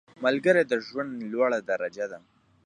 ملګری د ژوند لوړه درجه ده